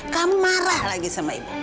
kamu marah lagi sama ibu